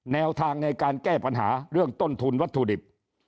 แนวทางในการแก้ปัญหาเรื่องต้นทุนวัตถุดิบ